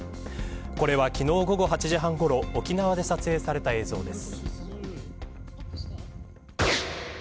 これは、昨日午後８時半ごろ沖縄で撮影された映像です。